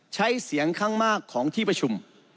ใช้เสียงข้างมากของที่ประชุม